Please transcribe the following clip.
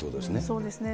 そうですね。